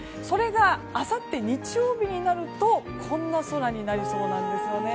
それがあさって日曜日になるとこんな空になりそうなんです。